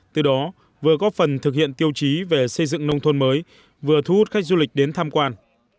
từ đó vừa góp phần thực hiện tiêu chí về xây dựng nông thôn mới vừa thu hút khách du lịch đến tham quan